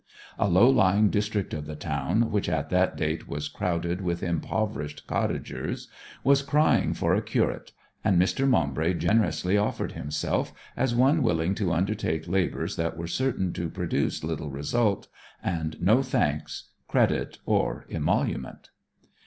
A low lying district of the town, which at that date was crowded with impoverished cottagers, was crying for a curate, and Mr. Maumbry generously offered himself as one willing to undertake labours that were certain to produce little result, and no thanks, credit, or emolument.